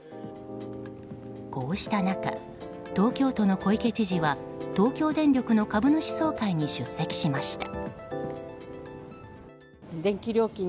こうした中、東京都の小池知事は東京電力の株主総会に出席しました。